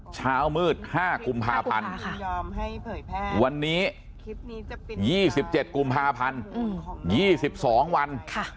เช้ามืด๕กุมภาพันธ์วันนี้๒๗กุมภาพันธ์๒๒วัน